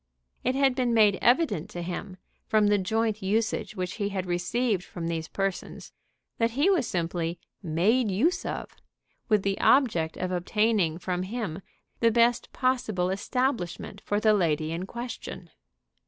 It had been made evident to him, from the joint usage which he had received from these persons, that he was simply "made use of," with the object of obtaining from him the best possible establishment for the lady in question.